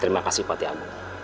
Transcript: terima kasih pati agung